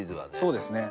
そうですね。